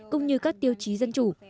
cũng như các tiêu chí dân chủ